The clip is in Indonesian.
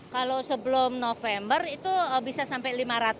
kalau sebelum november itu bisa sampai lima ratus